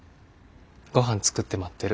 ごはん作って待ってる。